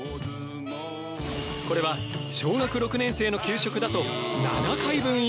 これは小学６年生の給食だと７回分以上！